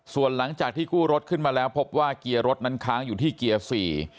ส่วนหลังจากที่กู้รถขึ้นมาแล้วพบว่าเกียร์รถนั้นค้างอยู่ที่เกียร์สี่